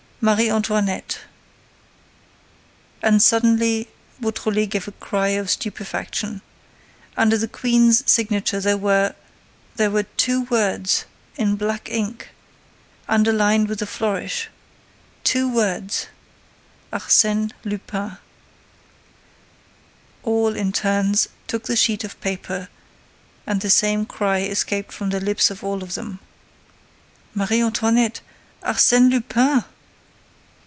MARIE ANTOINETTE. And suddenly Beautrelet gave a cry of stupefaction. Under the queen's signature there were—there were two words, in black ink, underlined with a flourish—two words: ARSÈNE LUPIN. All, in turns, took the sheet of paper and the same cry escaped from the lips of all of them: "Marie Antoinette!—Arsène Lupin!"